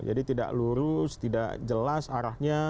tidak lurus tidak jelas arahnya